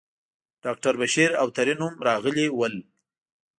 ډاکټر بشیر او ترین هم راغلي ول.